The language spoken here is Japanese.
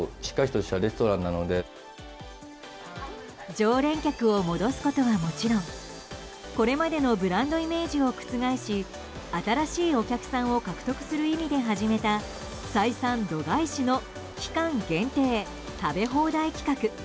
常連客を戻すことはもちろんこれまでのブランドイメージを覆し新しいお客さんを獲得する意味で始めた採算度外視の期間限定食べ放題企画。